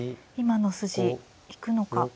今の筋行くのか。